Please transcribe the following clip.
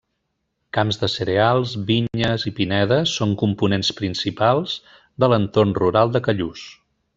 Camps de cereals, vinyes i pinedes són components principals de l’entorn rural de Callús.